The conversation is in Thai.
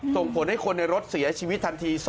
ส่งผลให้คนในรถเสียชีวิตทันที